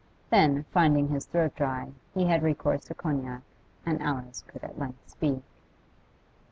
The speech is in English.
Then, finding his throat dry, he had recourse to cognac, and Alice could at length speak.